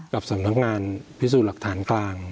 กับสำนักงานพิสูจน์หลักฐานกลาง